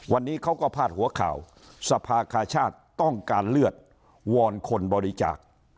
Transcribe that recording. วันนี้เขาก็พาดหัวข่าวสภาคชาติต้องการเลือดวอนคนบริจาค